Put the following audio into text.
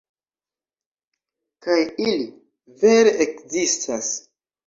Kaj ili, vere, ekzistas.